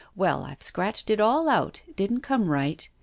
Well, I've scratched it all out, it didn't come right.